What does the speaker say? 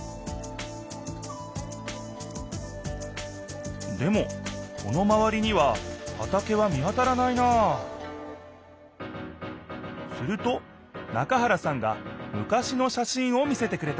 秋のでもこのまわりにははたけは見当たらないなすると中原さんが昔のしゃしんを見せてくれた。